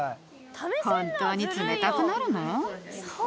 本当に冷たくなるの？